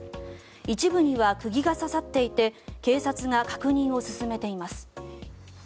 一部には釘が刺さっていて警察が確認を進めています。